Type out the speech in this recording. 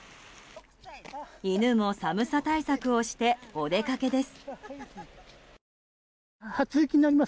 犬も寒さ対策をしてお出かけです。